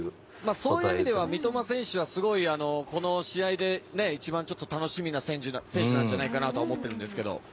そういう意味では三笘選手はこの試合で一番楽しみな選手なんじゃないかと思ってるんですが。